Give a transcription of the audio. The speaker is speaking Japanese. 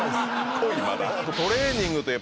濃いまだ。